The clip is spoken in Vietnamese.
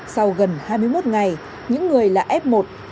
sau gần hai mươi một ngày những người là f một